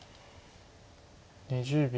２０秒。